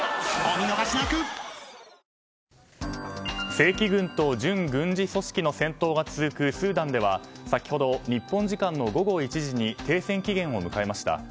正規軍と準軍事組織の戦闘が続くスーダンでは先ほど、日本時間の午後１時に停戦期限を迎えました。